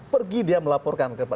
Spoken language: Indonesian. pergi dia melaporkan